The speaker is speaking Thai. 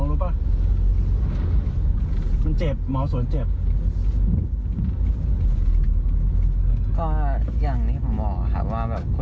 รู้ว่าได้ยังไงเดี๋ยวทราบอีก